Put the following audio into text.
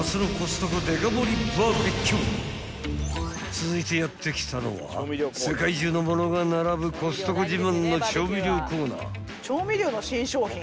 ［続いてやって来たのは世界中のものが並ぶコストコ自慢の］